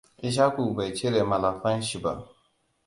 Ishaku bai cire malafanshi ba.